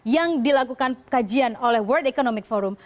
yang dilakukan kajian oleh world economic forum